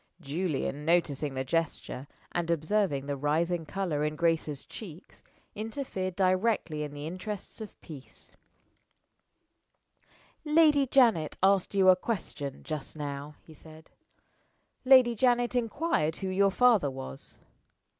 Julian, noticing the gesture, and observing the rising color in Grace's cheeks, interfered directly in the interests of peace "Lady Janet asked you a question just now," he said; "Lady Janet inquired who your father was."